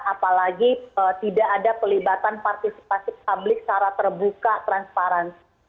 apalagi tidak ada pelibatan partisipasi publik secara terbuka transparansi